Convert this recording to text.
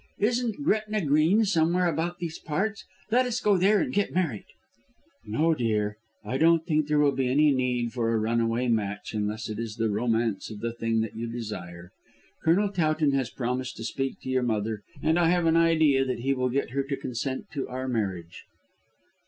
Isn't Gretna Green somewhere about these parts? Let us go there and get married." "No, dear. I don't think there will be any need for a runaway match, unless it is the romance of the thing that you desire. Colonel Towton has promised to speak to your mother, and I have an idea that he will gain her consent to our marriage."